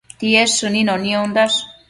Tied shënino niondash